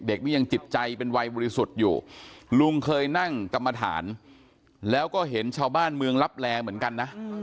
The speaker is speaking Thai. นี้ยังจิตใจเป็นวัยบริสุทธิ์อยู่ลุงเคยนั่งกรรมฐานแล้วก็เห็นชาวบ้านเมืองลับแลเหมือนกันนะ